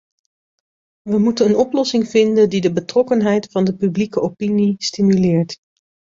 We moeten een oplossing vinden die de betrokkenheid van de publieke opinie stimuleert.